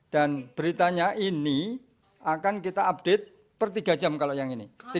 beritanya ini akan kita update per tiga jam kalau yang ini